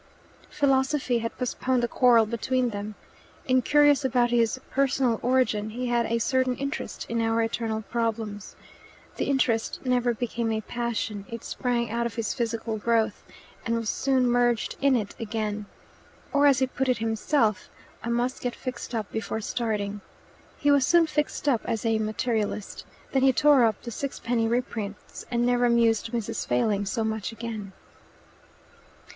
"Philosophy" had postponed the quarrel between them. Incurious about his personal origin, he had a certain interest in our eternal problems. The interest never became a passion: it sprang out of his physical growth, and was soon merged in it again. Or, as he put it himself, "I must get fixed up before starting." He was soon fixed up as a materialist. Then he tore up the sixpenny reprints, and never amused Mrs. Failing so much again.